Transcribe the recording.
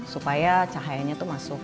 supaya cahayanya tuh masuk